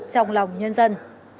trong lòng nhân dân